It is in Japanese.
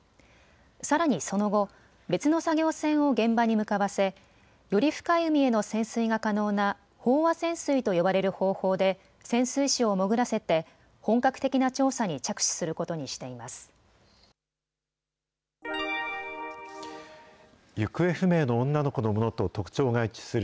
さらにその後、別の作業船を現場に向かわせ、より深い海への潜水が可能な飽和潜水と呼ばれる方法で、潜水士を潜らせて、本格的な調査に着手することにしています。